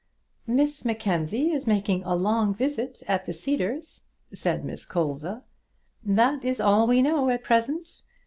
"Miss Mackenzie is making a long visit at the Cedars," said Miss Colza, "that is all we know at present.